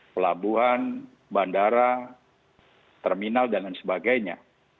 pelabuhan bandara terminal dan lain sebagainya